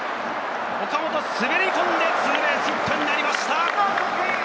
岡本、滑り込んでツーベースヒットになりました！